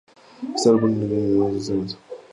Este álbum incluiría, entre otros temas, "San Damiano".